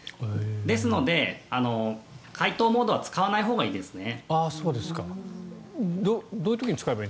ですので、解凍モードは使わないほうがいいですね。